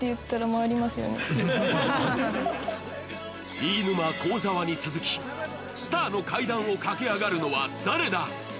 飯沼、幸澤に続き、スターの階段を駆け上がるのは誰だ？